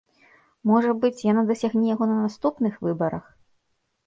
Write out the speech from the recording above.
Можа быць, яна дасягне яго на наступных выбарах?